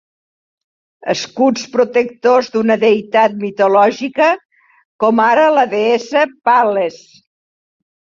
Escuts protectors d'una deïtat mitològica com ara la deessa Pal·les.